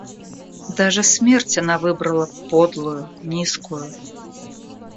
Даже смерть она выбрала подлую, низкую.